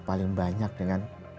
paling banyak dengan